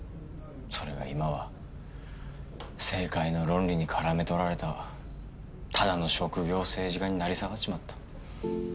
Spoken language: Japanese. それが今は政界の論理にからめとられたただの職業政治家に成り下がっちまった。